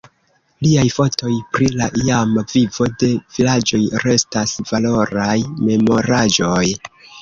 Liaj fotoj pri la iama vivo de vilaĝoj restas valoraj memoraĵoj.